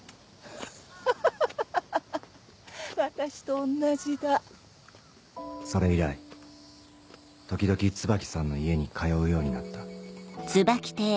ハハハハ私とおんなじだそれ以来時々椿さんの家に通うようになった。